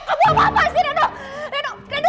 aduh apa apa sih reno